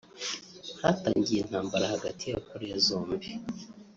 Hatangiye intambara hagati ya Korea zombi